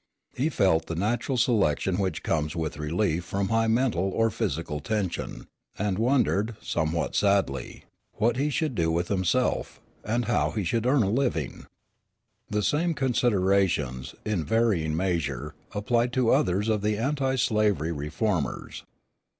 He felt the natural reaction which comes with relief from high mental or physical tension, and wondered, somewhat sadly, what he should do with himself, and how he should earn a living. The same considerations, in varying measure, applied to others of the anti slavery reformers.